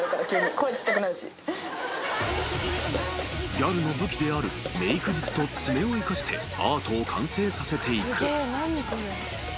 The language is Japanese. ［ギャルの武器であるメーク術と爪を生かしてアートを完成させていく］